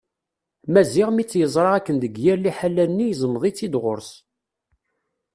Maziɣ mi tt-yeẓra akken deg yir liḥala-nni iẓmeḍ-itt-id ɣur-s.